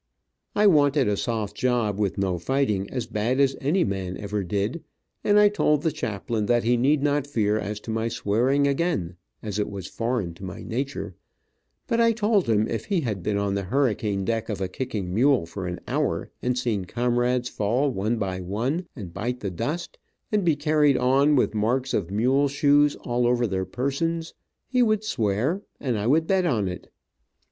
I wanted a soft job, with no fighting, as bad as any man ever did, and I told the chaplain that he need not fear as to my swearing again, as it was foreign to my nature, but I told him if he had been on the hurricane deck of a kicking mule for an hour, and seen comrades fall one by one, and bite the dust, and be carried on with marks of mule shoes all over their persons, he would swear, and I would bet on it.